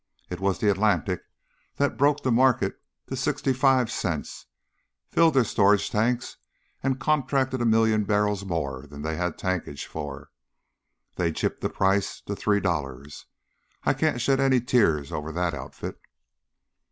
It was the Atlantic that broke the market to sixty five cents, filled their storage tanks and contracted a million barrels more than they had tankage for, then gypped the price to three dollars. I can't shed any tears over that outfit."